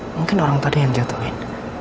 mungkin orang tadi yang jatuhin